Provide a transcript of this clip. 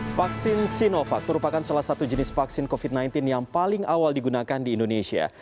vaksin sinovac merupakan salah satu jenis vaksin covid sembilan belas yang paling awal digunakan di indonesia